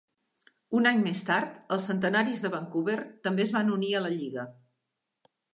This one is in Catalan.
Un any més tard, els Centenaris de Vancouver també es van unir a la lliga.